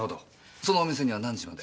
そのお店には何時まで？